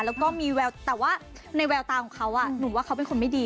แล้วก็มีแววแต่ว่าในแววตาของเขาหนุ่มว่าเขาเป็นคนไม่ดี